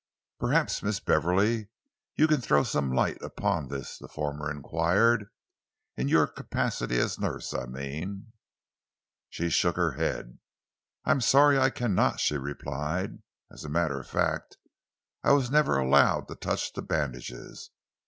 "Perhaps, Miss Beverley, you can throw some light upon this?" the former enquired "in your capacity as nurse, I mean." She shook her head. "I am sorry that I cannot," she replied. "As a matter of fact, I was never allowed to touch the bandages.